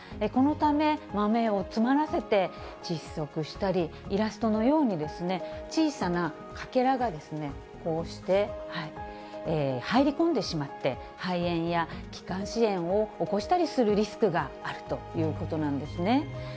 このため、豆を詰まらせて窒息したり、イラストのように、小さなかけらがこうして入り込んでしまって、肺炎や気管支炎を起こしたりするリスクがあるということなんですね。